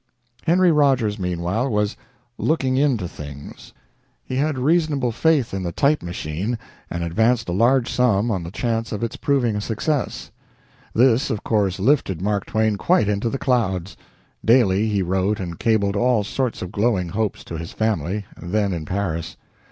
Henry Rogers, meanwhile, was "looking into things." He had reasonable faith in the type machine, and advanced a large sum on the chance of its proving a success. This, of course, lifted Mark Twain quite into the clouds. Daily he wrote and cabled all sorts of glowing hopes to his family, then in Paris.